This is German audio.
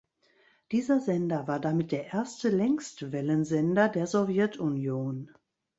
Dieser Sender war damit der erste Längstwellensender der Sowjetunion.